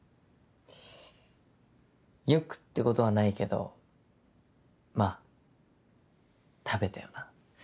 よくってことはないけどまぁ食べたよな。